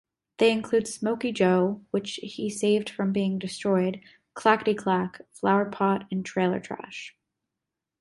They include Smokey Joe, which he saved from being destroyed, Clackety-Clack, Flowerpot, and Trailer-Trash.